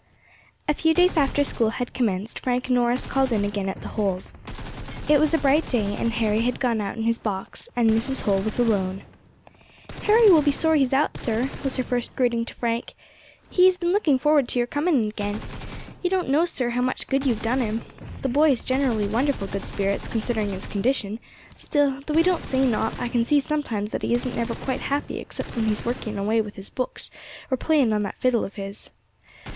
A FEW days after school had commenced Frank Norris called in again at the Holls'. It was a bright day, and Harry had gone out in his box, and Mrs. Holl was alone. "Harry will be sorry he is out, sir," was her first greeting to Frank; "he has been looking forward to your coming again. You don't know, sir, how much good you have done him. The boy has generally wonderful good spirits, considering his condition; still, though he don't say nought, I can see sometimes that he isn't never quite happy except when he is working away with his books or playing on that fiddle of his.